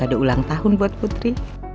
seulang tahun buat putri